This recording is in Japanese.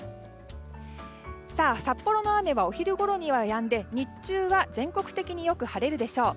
札幌の雨はお昼ごろにはやんで日中は全国的によく晴れるでしょう。